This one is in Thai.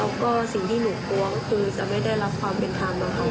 แล้วก็สิ่งที่หนูกลัวก็คือจะไม่ได้รับความเป็นธรรมนะคะ